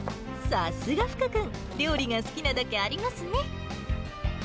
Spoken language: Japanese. さすが福君、料理が好きなだけありますね。